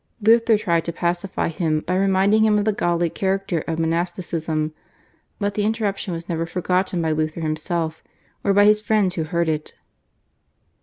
Luther tried to pacify him by reminding him of the godly character of monasticism, but the interruption was never forgotten by Luther himself or by his friends who heard it.